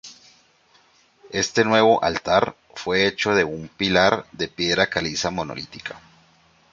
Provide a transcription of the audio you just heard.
Este nuevo altar fue hecho de un pilar de piedra caliza monolítica.